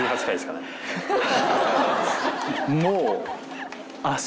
もう。